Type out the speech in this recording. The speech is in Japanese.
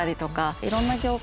いろんな業界